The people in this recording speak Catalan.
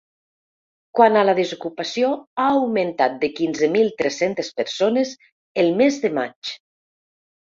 Quant a la desocupació, ha augmentat de quinze mil tres-centes persones el mes de maig.